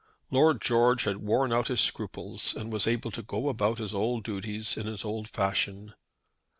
Lord George had worn out his scruples, and was able to go about his old duties in his old fashion.